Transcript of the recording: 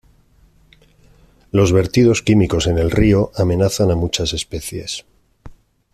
Los vertidos químicos en el río amenazan a muchas especies.